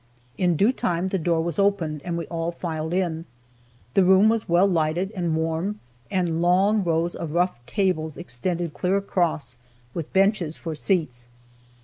In due time, the door was opened, and we all filed in. The room was well lighted, and warm, and long rows of rough tables extended clear across, with benches for seats.